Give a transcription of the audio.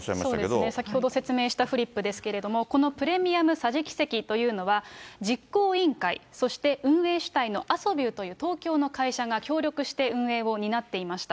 そうですね、先ほど説明したフリップですけれども、このプレミアム桟敷席というのは、実行委員会、そして運営主体のアソビューという東京の会社が協力して、運営を担っていました。